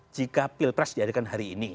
jika pilpres diadakan hari ini